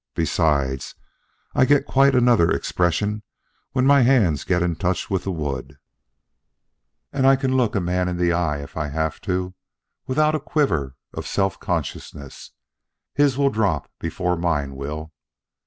Besides, I get quite another expression when my hands get in touch with the wood; and I can look a man in the eye, if I have to, without a quiver of self consciousness. His will drop before mine will."